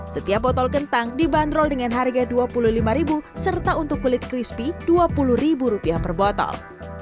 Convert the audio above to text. setiap botol kentang dibanderol dengan harga rp dua puluh lima serta untuk kulit crispy rp dua puluh per botol